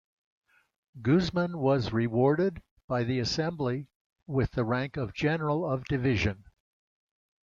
Guzman was rewarded by the Assembly with the rank of general of division.